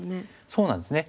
そうなんですね。